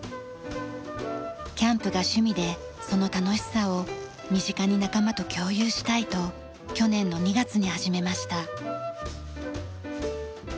キャンプが趣味でその楽しさを身近に仲間と共有したいと去年の２月に始めました。